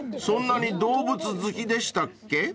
そんなに動物好きでしたっけ？］